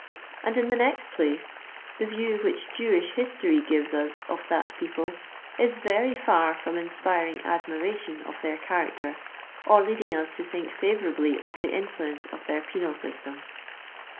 And, in the next place, the view which Jewish history gives us of that people, is very far from inspiring admiration of their character, or leading us to think favorably of the influence of their penal system.